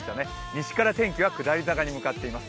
西から天気が下り坂に向かっています。